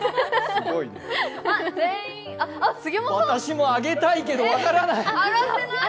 私も上げたいけど分からない。